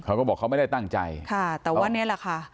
เขาก็บอกเขาไม่ได้ตั้งใจค่ะแต่ว่านี่แหละค่ะ